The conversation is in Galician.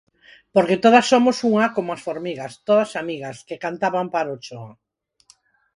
Porque todas somos unha, como as formigas, todas amigas, que cantaba Amparo Ochoa.